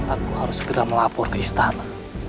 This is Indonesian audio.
aku harus segera melapor ke istana